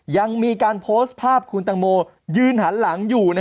ยังมีการโพสต์ภาพคุณตังโมยืนหันหลังอยู่